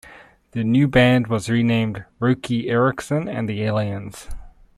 The new band was renamed Roky Erickson and the Aliens.